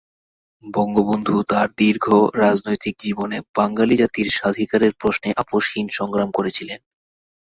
বঙ্গবন্ধু তাঁর দীর্ঘ রাজনৈতিক জীবনে বাঙালি জাতির স্বাধিকারের প্রশ্নে আপসহীন সংগ্রাম করেছিলেন।